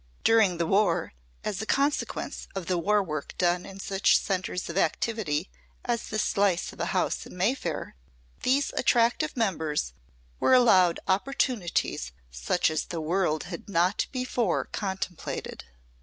During the War, as a consequence of the War Work done in such centres of activity as the slice of a house in Mayfair, these attractive members were allowed opportunities such as the world had not before contemplated.